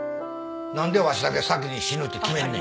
何でわしだけ先に死ぬって決めんねん。